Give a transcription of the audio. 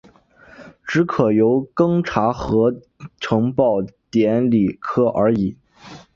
只可由庚查核呈报典礼科而已。